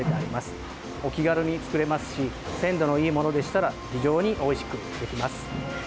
お気軽に作れますし鮮度のいいものでしたら非常においしくできます。